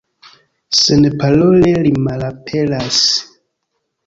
Senparole li malaperas.